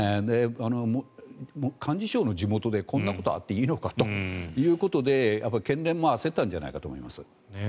幹事長の地元でこんなことがあっていいのかということでやっぱり県連も焦ったんじゃないかと思います。